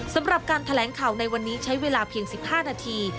สำหรับการแถลงข่าวในวันนี้ใช้เวลาเพียง๑๕นาที